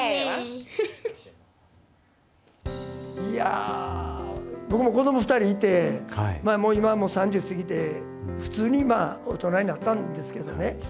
いやー、僕も子ども２人いて、もう今はもう３０過ぎて、普通に大人になったんですけどね。